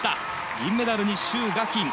銀メダルにシュウ・ガキン。